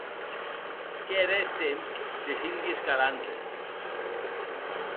Qu’ère eth temps des Indies galantes.